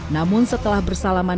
namun setelah bersalamatnya